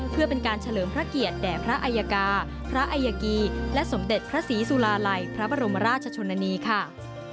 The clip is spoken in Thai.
เพื่อเป็นการเฉลิมพระเกียรติแด่พระอัยกาพระอายกีและสมเด็จพระศรีสุลาลัยพระบรมราชชนนานีค่ะ